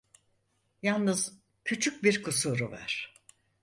Yalnız küçük bir kusuru var: